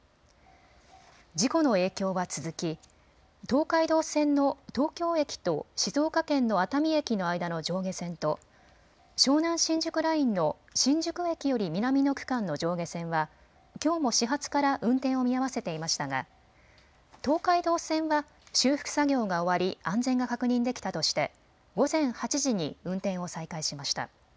事故の影響は続き東海道線の東京駅と静岡県の熱海駅の間の上下線と湘南新宿ラインの新宿駅より南の区間の上下線はきょうも始発から運転を見合わせていましたが東海道線は修復作業が終わり安全が確認できたとして午前８時に運転を再開しました。